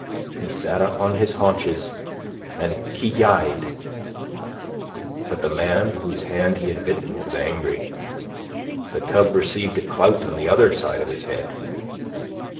He sat up on his haunches and ki yi'd. But the man whose hand he had bitten was angry. The cub received a clout on the other side of his head.